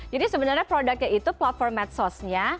jadi sebenarnya produknya itu platform medsosnya